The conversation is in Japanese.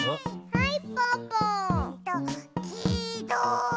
はい！